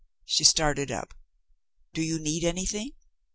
She started up. "Do you need anything?